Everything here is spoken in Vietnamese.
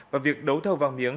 và việc đấu thầu vàng miếng